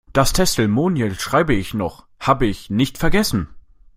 Das Testimonial schreib' ich noch, hab' ich nicht vergessen.